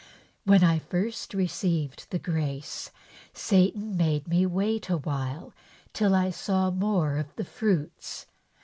When I first received the grace, Satan made me wait awhile till I saw more of the fruits.